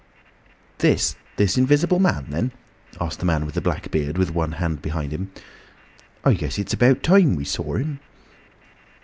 "This, this Invisible Man, then?" asked the man with the black beard, with one hand behind him. "I guess it's about time we saw him."